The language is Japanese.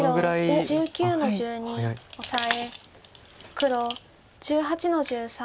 黒１８の十三。